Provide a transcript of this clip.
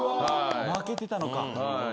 負けてたのか。